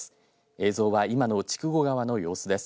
映像は今の筑後川の様子です。